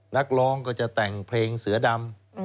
นักร้องก็จะแต่งเพลงเสือดำ